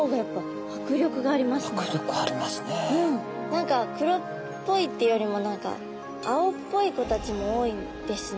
何か黒っぽいっていうよりも何か青っぽい子たちも多いんですね。